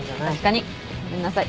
ごめんなさい。